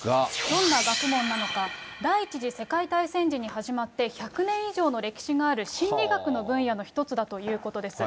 どんな学問なのか、第１次世界大戦時に始まって１００年以上の歴史がある心理学の分野の一つだということです。